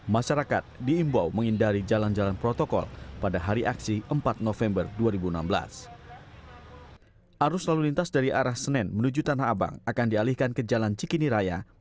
masyarakat diimbau menghindari jalan jalan protokol pada hari aksi empat november dua ribu enam belas